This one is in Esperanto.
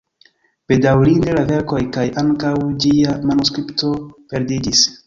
Bedaŭrinde la verko kaj ankaŭ ĝia manuskripto perdiĝis.